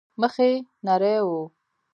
مخ يې نرى و.